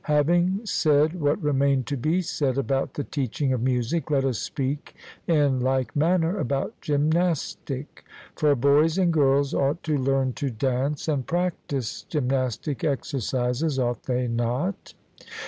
Having said what remained to be said about the teaching of music, let us speak in like manner about gymnastic. For boys and girls ought to learn to dance and practise gymnastic exercises ought they not?